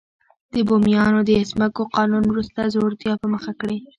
د بومیانو د ځمکو قانون وروسته ځوړتیا په مخه کړې.